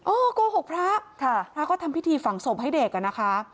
โอ้โกหกพระพระก็ทำพิธีฝังศพให้เด็ก